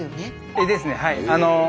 絵ですねはい。